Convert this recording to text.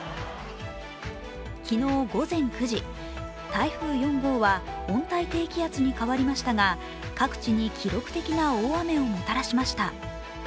昨日午前９時、台風４号は温帯低気圧に変わりましたが、各地に記録的な大雨をもたらしました。